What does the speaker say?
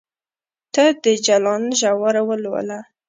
ته د جلان ژور ولوله